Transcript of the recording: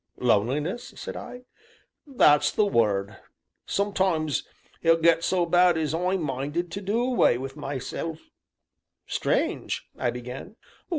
"Loneliness?" said I. "That's the word; sometimes it gets so bad as I'm minded to do away wi' myself " "Strange!" I began.